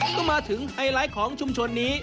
ก็มาถึงไฮไลท์ของชุมชนนี้